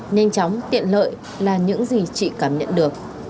nhanh chóng tiện lợi là những gì chị cảm nhận được